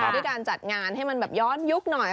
ด้วยการจัดงานให้มันแบบย้อนยุคหน่อย